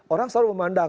orang selalu memandang